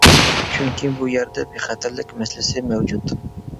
چۈنكى بۇ يەردە بىخەتەرلىك مەسىلىسى مەۋجۇت.